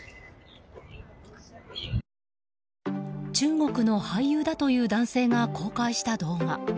中国の俳優だという男性が公開した動画。